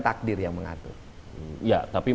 takdir yang mengatur ya tapi